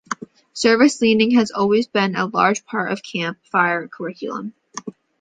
Service Learning has always been a large part of the Camp Fire curriculum.